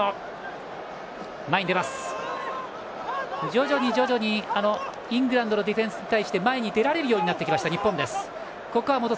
徐々に徐々にイングランドのディフェンスに対して前に出られるようになってきた日本。